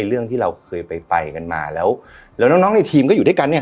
เรื่องที่เราเคยไปกันมาแล้วแล้วน้องในทีมก็อยู่ด้วยกันเนี่ย